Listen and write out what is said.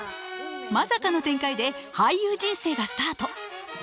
まさかの展開で俳優人生がスタート。